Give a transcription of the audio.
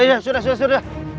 eh sudah sudah sudah